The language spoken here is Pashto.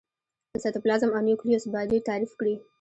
د سایتوپلازم او نیوکلیوس باډي تعریف کړي.